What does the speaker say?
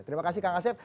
terima kasih kang asef